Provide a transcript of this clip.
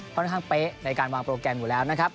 ค่อนข้างเป๊ะในการวางโปรแกรมอยู่แล้วนะครับ